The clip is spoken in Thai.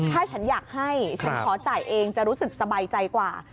ถ้าฉันอยากให้ฉันขอจ่ายเองจะรู้สึกสบายใจกว่า